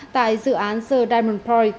tại dự án sir diamond point